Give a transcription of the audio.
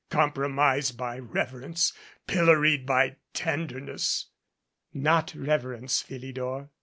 Compromised by reverence, pilloried by tender ness " "Not reverence, Philidor.